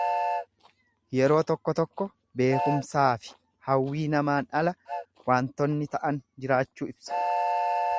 Yeroo tokko tokko beekumsaafi hawwii namaan ala waantonni ta'an jiraachuu ibsa.